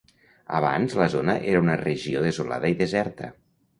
Abans la zona era una regió desolada i deserta.